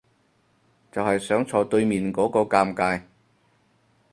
就係想坐對面嗰個尷尬